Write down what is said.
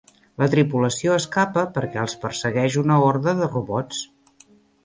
La tripulació escapa perquè els persegueix una horda de robots.